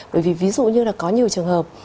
bởi vì ví dụ như là có nhiều trường hợp